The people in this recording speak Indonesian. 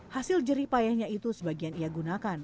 hasil jeripayahnya itu sebagian ia gunakan